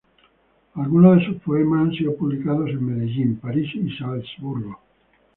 Algunos de sus poemas han sido publicados en Medellín, París y Salzburgo.